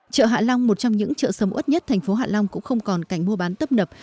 chợ hạ long một trong những chợ sống ớt nhất thành phố hạ long cũng không còn cảnh mua bán tấp nập